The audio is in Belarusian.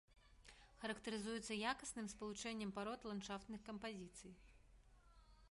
Характарызуецца якасным спалучэннем парод ландшафтных кампазіцый.